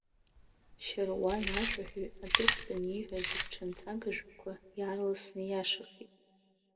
Шьаруан-ашәаҳәаҩ аҵыхәтәан ииҳәаз агәҽанҵага жәақәа иаарласны ииашахеит.